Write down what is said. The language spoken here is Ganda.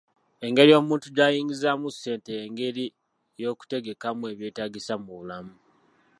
Engeri omuntu gy'ayingizaamu ssente y'engeri y'okutegekamu ebyetaagisa mu bulamu.